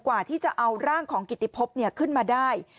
กว่าที่จะเอาร่างของกิติพบขึ้นมาได้